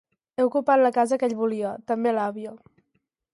He ocupat la casa que ell volia, també l'àvia...